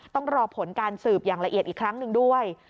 ต้องรอผลการสืบอย่างละเอียดอีกครั้งหนึ่งด้วย